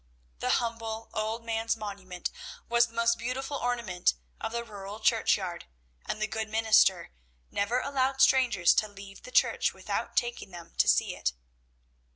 The humble old man's monument was the most beautiful ornament of the rural churchyard, and the good minister never allowed strangers to leave the church without taking them to see it.